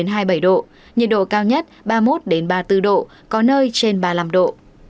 nhiệt độ cao nhất ba mươi một ba mươi bốn độ có nơi trên ba mươi năm độ